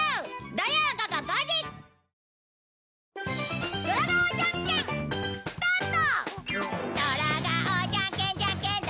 土曜午後５時スタート！